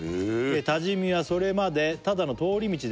「多治見はそれまでただの通り道でしたが」